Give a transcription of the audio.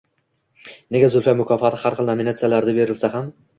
Nega Zulfiya mukofoti har xil nominatsiyalarda berilsa ham